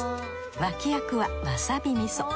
脇役はわさび味噌。